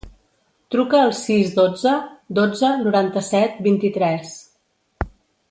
Truca al sis, dotze, dotze, noranta-set, vint-i-tres.